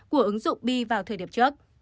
của ứng dụng bi vào thời điểm trước